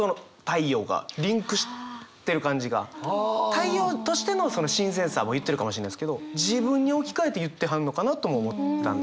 太陽としてのその新鮮さも言ってるかもしれないですけど自分に置き換えて言ってはんのかなとも思ったんですよね。